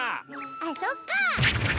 あっそっか。